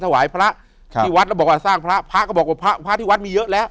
ถวายพระครับที่วัดแล้วบอกว่าสร้างพระพระก็บอกว่าพระพระที่วัดมีเยอะแล้ว